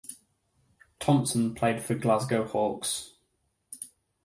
Thompson played for Glasgow Hawks.